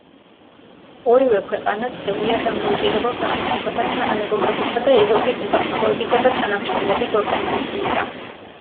ორივე ქვეყანა წევრია დამოუკიდებელ სახელმწიფოთა თანამეგობრობისა და ევროპის უსაფრთხოებისა და თანამშრომლობის ორგანიზაციისა.